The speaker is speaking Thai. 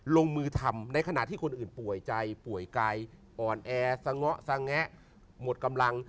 ลงมือทำในขณะที่คนอื่นป่วยใจป่วยกายอ่อนแอสเงาะสงแงะหมดกำลัง